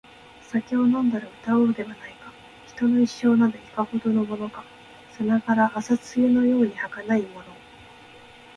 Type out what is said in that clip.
酒を飲んだら歌おうではないか／人の一生など、いかほどのものか／さながら朝露のように儚いもの